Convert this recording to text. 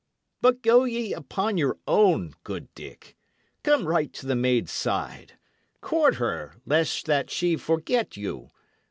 But go ye upon your own, good Dick. Come right to the maid's side. Court her, lest that she forget you.